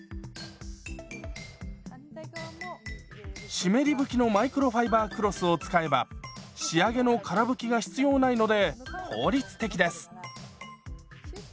湿り拭きのマイクロファイバークロスを使えば仕上げのから拭きが必要ないので効率的です。